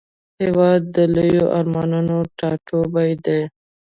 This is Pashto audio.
هېواد د لویو ارمانونو ټاټوبی دی.